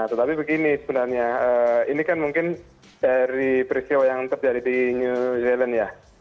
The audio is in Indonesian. tetapi begini sebenarnya ini kan mungkin dari peristiwa yang terjadi di new zealand ya